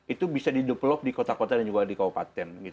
itu bisa di develop di kota kota dan juga di kabupaten